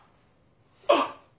あっ！